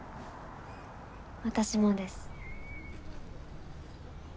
私もです。